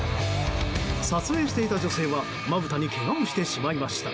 撮影していた女性はまぶたにけがをしてしまいました。